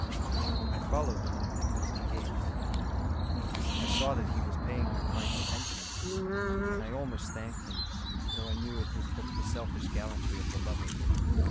I followed them with impotent gaze. I saw that he was paying her kind attentions; and I almost thanked him, though I knew it was but the selfish gallantry of the lover.